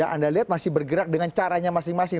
dan anda lihat masih bergerak dengan caranya masing masing